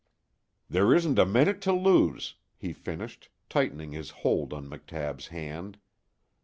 "There isn't a minute to lose," he finished, tightening his hold on McTabb's hand.